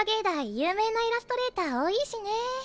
有名なイラストレーター多いしね。